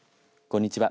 こんにちは。